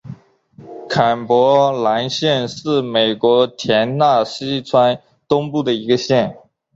坎伯兰县是美国田纳西州东部的一个县。